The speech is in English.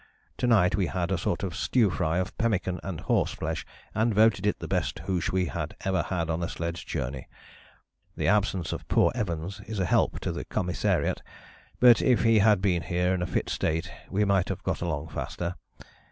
To night we had a sort of stew fry of pemmican and horseflesh, and voted it the best hoosh we had ever had on a sledge journey. The absence of poor Evans is a help to the commissariat, but if he had been here in a fit state we might have got along faster.